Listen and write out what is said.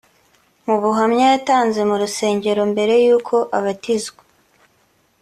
Mu buhamya yatanze mu rusengero mbere y’uko abatizwa